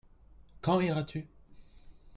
Quand iras-tu ?